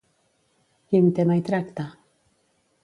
Quin tema hi tracta?